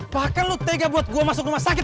bahkan lu tega buat gua masuk rumah sakit